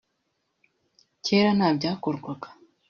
kera nta byakorwaga